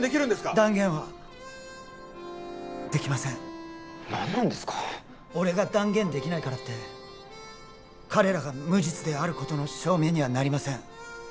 断言はできません・何なんですか俺が断言できないからって彼らが無実であることの証明にはなりません